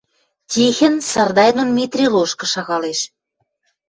Тихӹн Сардай дон Митри лошкы шагалеш.